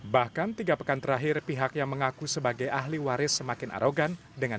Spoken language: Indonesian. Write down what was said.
bahkan tiga pekan terakhir pihak yang mengaku sebagai ahli waris semakin arogan dengan